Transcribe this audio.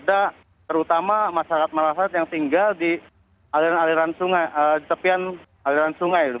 ada terutama masyarakat malafat yang tinggal di aliran sungai di tepian aliran sungai